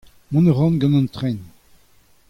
Mont a ran gant an tren.